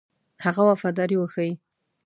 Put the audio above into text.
هغه وفاداري وښيي.